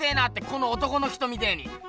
この男の人みてえに。